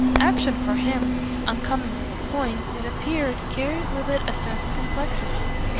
Action, for him, on coming to the point, it appeared, carried with it a certain complexity.